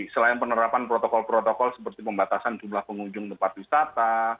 selain penerapan protokol protokol seperti pembatasan jumlah pengunjung tempat wisata